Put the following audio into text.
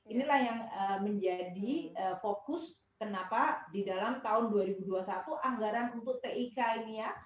inilah yang menjadi fokus kenapa di dalam tahun dua ribu dua puluh satu anggaran untuk tik ini ya